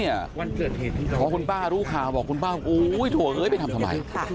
นี่ค่ะพอคุณป้ารู้ข่าวบอกคุณป้าโอ้ยโอ้ยไปทำทำไม